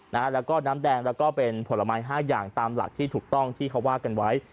แล้วก็น้ำแดงแล้วก็เป็นผลไม้ห้าอย่างตามหลักที่ถูกต้องที่เขาว่ากันไว้